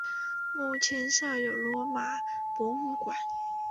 目前设有罗马博物馆。